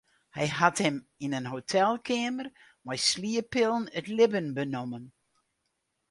Hy hat him yn in hotelkeamer mei slieppillen it libben benommen.